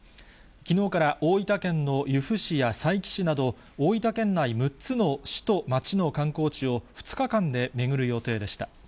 きのうから大分県の由布市や佐伯市など、大分県内６つの市と町の観光地を２日間で巡る予定でした。